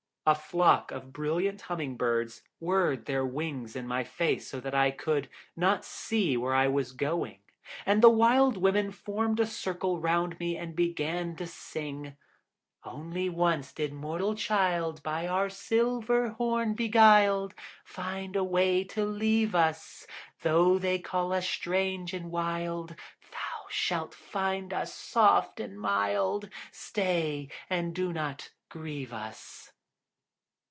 A flock of brilliant humming birds whirred their wings in my face so that I could not see where I was going, and the Wild Women formed a circle round me and began to sing: "Only once did mortal child, By our silver horn beguiled, Find a way to leave us; Though they call us strange and wild, Thou shalt find us soft and mild. Stay, and do not grieve us."